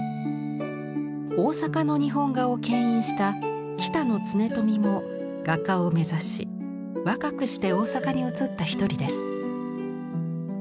大阪の日本画をけん引した北野恒富も画家を目指し若くして大阪に移った一人です。